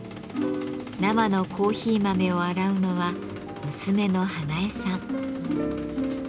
生のコーヒー豆を洗うのは娘の英会さん。